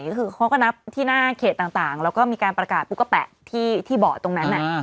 ก็คือเขาก็นับที่หน้าเขตต่างแล้วก็มีการประกาศปุ๊กแปะที่เบาะตรงนั้น